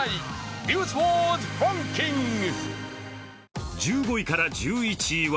「ニュースワードランキング」。